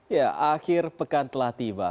ya akhir pekan telah tiba